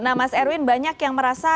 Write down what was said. nah mas erwin banyak yang merasa